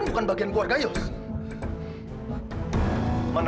ya allah gue gak jalan ben